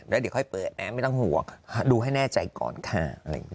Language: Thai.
แล้วเดี๋ยวค่อยเปิดแอปไม่ต้องห่วงดูให้แน่ใจก่อนค่ะ